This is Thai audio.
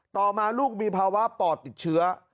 ต่อมาลูกมีภาวะปอดติดเชื้อ